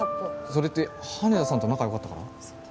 ・それって羽田さんと仲良かったから？